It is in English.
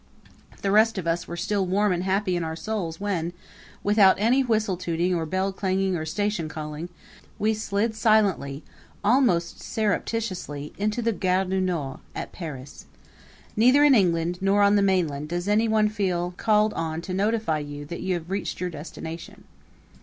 The rest of us were still warm and happy in our souls when, without any whistle tooting or bell clanging or station calling, we slid silently, almost surreptitiously, into the Gare du Nord, at Paris. Neither in England nor on the mainland does anyone feel called on to notify you that you have reached your destination.